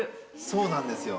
そうなんですよ。